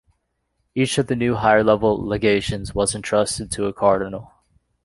Each of the new higher-level legations was entrusted to a cardinal.